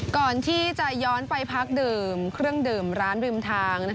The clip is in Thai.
ก่อนที่จะย้อนไปพักดื่มเครื่องดื่มร้านริมทาง